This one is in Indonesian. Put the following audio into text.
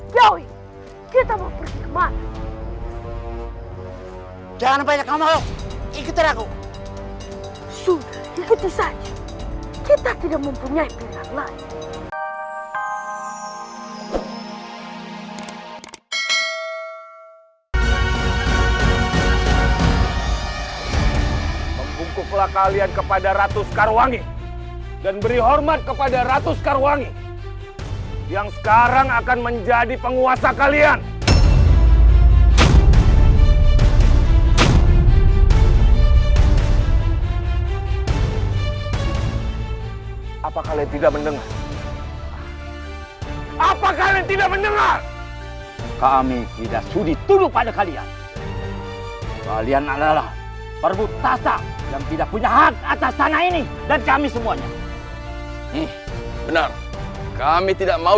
jangan lupa subscribe channel ini dan tekan tombol bel untuk dapat info terbaru